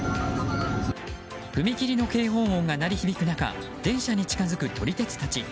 踏切の警報音が鳴り響く中電車に近づく撮り鉄たち。